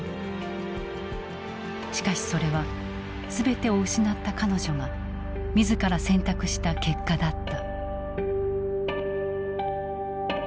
しかしそれは全てを失った彼女が自ら選択した結果だった。